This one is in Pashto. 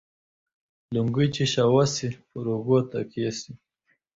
لنگۍ چې شوه سي ، پر اوږو تکيه سي.